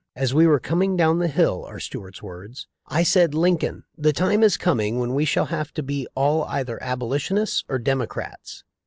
"As we were coming down the hill," are Stuart's words, "I said, 'Lincoln, the time is coming when we shall have to be all either Aboli tionists or Democrats.'